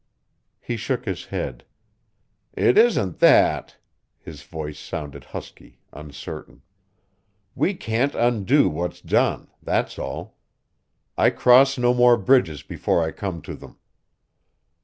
He shook his head. "It isn't that." His voice sounded husky, uncertain. "We can't undo what's done, that's all. I cross no more bridges before I come to them."